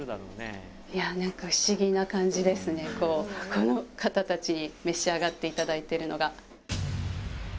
この方たちに召し上がっていただいてるのが。